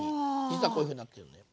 実はこういうふうになってるんだよ。